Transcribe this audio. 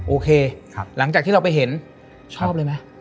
โอเคหลังจากที่เราไปเห็นชอบเลยไหม